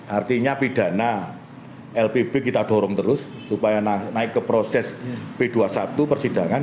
artinya pidana lpb kita dorong terus supaya naik ke proses p dua puluh satu persidangan